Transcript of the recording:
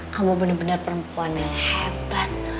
kamu bener bener perempuan yang hebat